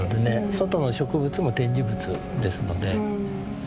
外の植物も展示物ですので。